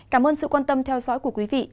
cảm ơn sự quan tâm theo dõi của quý vị